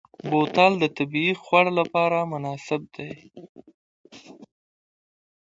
بوتل د طبعي خوړ لپاره مناسب دی.